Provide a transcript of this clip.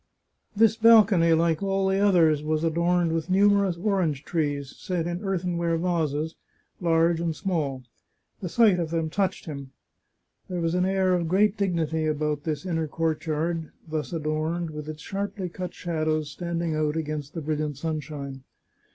This balcony, like all the others, was adorned with numerous orange trees, set in earthenware vases, large and small. The sight of them touched him. There was an air of great dignity about this inner courtyard, thus adorned, with its sharply cut shadows standing out against the brilliant sunshine.